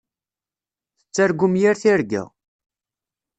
Tettargum yir tirga.